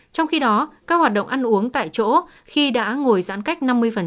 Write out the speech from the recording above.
trong khi đó các hoạt động ăn uống tại chỗ khi đã ngồi giãn cách năm mươi